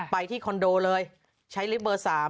ไปที่คอนโดเลยใช้ลิฟต์เบอร์๓